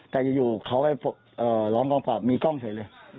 แต่อยู่เขาให้ร้องกล้องฝากมีกล้องเฉยเลย